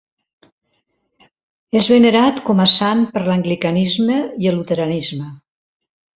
És venerat com a sant per l'anglicanisme i el luteranisme.